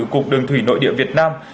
cục đường thủy nội địa việt nam